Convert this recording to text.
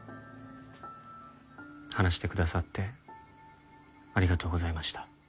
話してくださってありがとうございました。